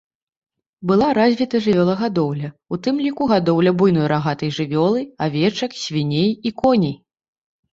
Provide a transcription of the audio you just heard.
Была развіта жывёлагадоўля, у тым ліку гадоўля буйной рагатай жывёлы, авечак, свіней і коней.